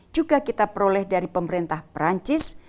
juga kita peroleh dari pemerintah perancis